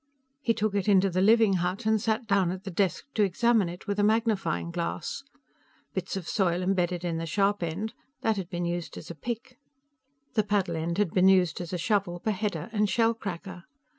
He took it into the living hut and sat down at the desk to examine it with a magnifying glass. Bits of soil embedded in the sharp end that had been used as a pick. The paddle end had been used as a shovel, beheader and shell cracker.